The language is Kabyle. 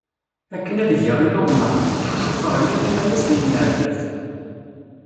Akken ad geɣ iluɣma, ccucufeɣ yal imalas deg tnerdabt.